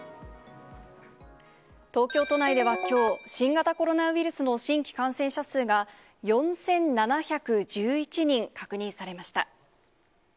東京都内ではきょう、新型コロナウイルスの新規感染者数が４７１１人、確認されました。